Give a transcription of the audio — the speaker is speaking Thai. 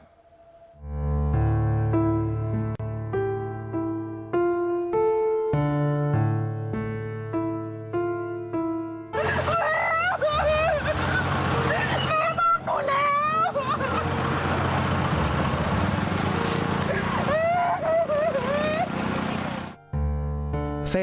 แม่มากกว่าแล้ว